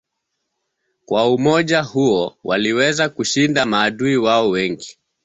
Kwa umoja huo waliweza kushinda maadui wao wengi.